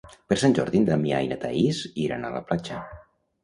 Per Sant Jordi en Damià i na Thaís iran a la platja.